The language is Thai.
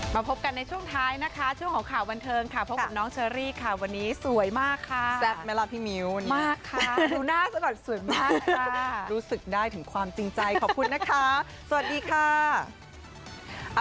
มาพบกันในช่วงท้ายนะคะช่วงของข่าวบันเทิงค่ะพบกับน้องเชอรี่ค่ะวันนี้สวยมากค่ะแซ่บไหมล่ะพี่มิ้วมากค่ะหนูน่าสวัสดีมากค่ะรู้สึกได้ถึงความจริงใจขอบคุณนะคะสวัสดีค่ะ